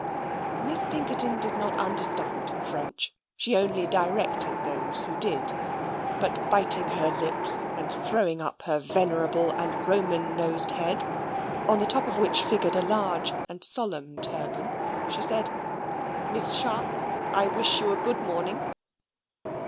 Miss Pinkerton did not understand French; she only directed those who did: but biting her lips and throwing up her venerable and Roman nosed head (on the top of which figured a large and solemn turban), she said, "Miss Sharp, I wish you a good morning."